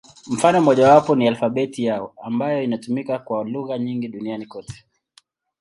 Mfano mmojawapo ni alfabeti yao, ambayo inatumika kwa lugha nyingi duniani kote.